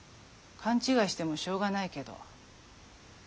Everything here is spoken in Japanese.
勘違いしてもしょうがないけど。